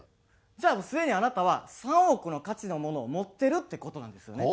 じゃあすでにあなたは３億の価値のものを持ってるって事なんですよね。